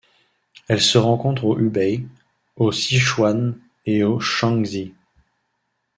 Elle se rencontre au Hubei, au Sichuan et au Shaanxi.